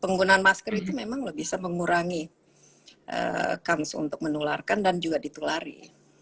penggunaan masker itu memang bisa mengurangi kans untuk menularkan dan juga ditulari